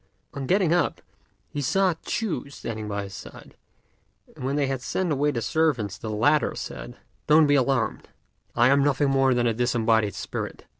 On getting up, he saw Ch'u standing by his side; and when they had sent away the servants the latter said, "Don't be alarmed: I am nothing more than a disembodied spirit.